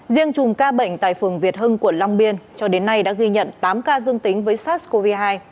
riêng chùm ca bệnh tại phường việt hưng quận long biên cho đến nay đã ghi nhận tám ca dương tính với sars cov hai